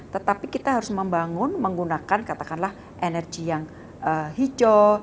tetapi kita harus membangun menggunakan katakanlah energi yang hijau